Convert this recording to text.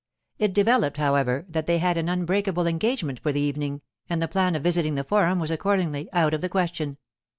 It developed, however, that they had an unbreakable engagement for the evening, and the plan of visiting the Forum was accordingly out of the question.